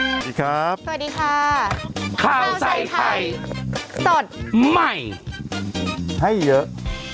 สวัสดีครับสวัสดีค่ะข้าวใส่ไข่สดใหม่ให้เยอะ